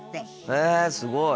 へえすごい！